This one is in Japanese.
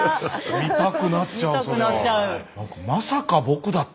見たくなっちゃうそりゃ。